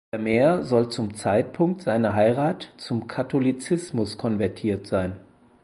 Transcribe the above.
Vermeer soll zum Zeitpunkt seiner Heirat zum Katholizismus konvertiert sein.